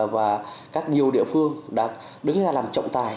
và các nhiều địa phương đã đứng ra làm trọng tài